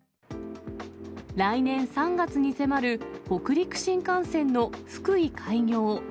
来年３月に迫る、北陸新幹線の福井開業。